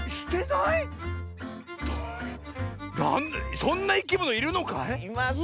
そんないきものいるのかい？